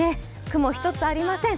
雲一つありません。